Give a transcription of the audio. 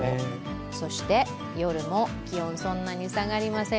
そして、夜は気温そんなに下がりません。